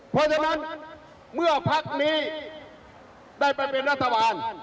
เพราะฉะนั้นเมื่อพักนี้ได้ไปเป็นรัฐบาล